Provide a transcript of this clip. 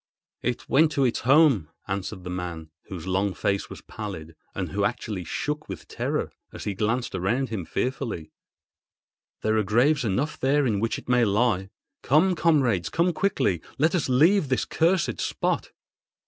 "It went to its home," answered the man, whose long face was pallid, and who actually shook with terror as he glanced around him fearfully. "There are graves enough there in which it may lie. Come, comrades—come quickly! Let us leave this cursed spot."